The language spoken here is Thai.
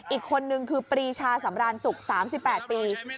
อีกคนนึงคือปรีชาสำรานสุข๓๘ปี